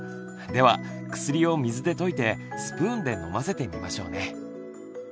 では薬を水で溶いてスプーンで飲ませてみましょうね。